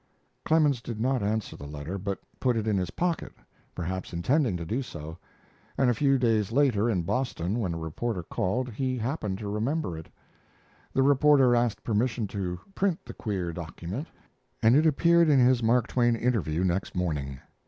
Clemens did not answer the letter, but put it in his pocket, perhaps intending to do so, and a few days later, in Boston, when a reporter called, he happened to remember it. The reporter asked permission to print the queer document, and it appeared in his Mark Twain interview next morning.